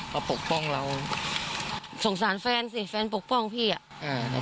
ปกป้องเราสงสารแฟนสิแฟนปกป้องพี่อ่ะอ่า